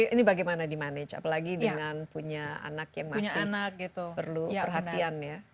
ini bagaimana di manage apalagi dengan punya anak yang masih perlu perhatian ya